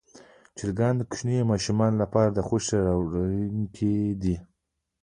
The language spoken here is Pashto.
چرګان د کوچنیو ماشومانو لپاره خوښي راوړونکي دي.